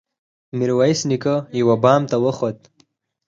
ميرويس نيکه يوه بام ته وخوت.